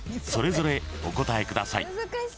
［それぞれお答えください］